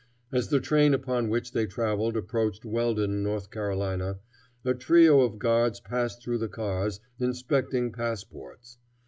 As the train upon which they traveled approached Weldon, N. C., a trio of guards passed through the cars, inspecting passports.